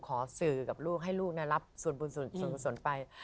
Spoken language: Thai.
ขอสื่อกับลูกให้ลูกรับส่วนบุญส่วนกุศลไป